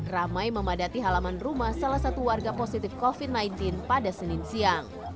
ramai memadati halaman rumah salah satu warga positif covid sembilan belas pada senin siang